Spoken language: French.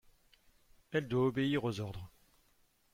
Elle doit obéir aux ordres.